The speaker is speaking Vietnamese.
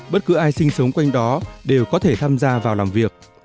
bất cứ ai sinh sống quanh đó đều có thể tham gia vào làm việc